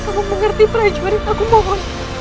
cukup mengerti prajurit aku mohon